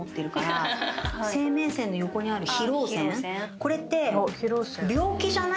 これって。